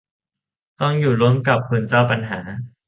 ต้องอยู่ร่วมกับคนเจ้าปัญหา